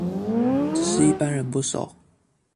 只是一般人不熟